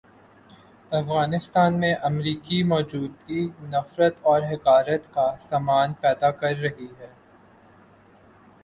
افغانستان میں امریکی موجودگی نفرت اور حقارت کا سامان پیدا کر رہی ہے۔